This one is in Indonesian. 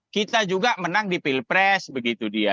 kita juga menang di pilpres begitu dia